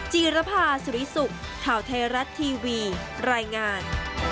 จีรภาสุริสุขข่าวไทยรัฐทีวีรายงาน